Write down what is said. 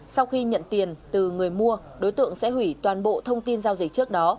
sau khi nhận tiền từ người mua đối tượng sẽ hủy toàn bộ thông tin giao dịch trước đó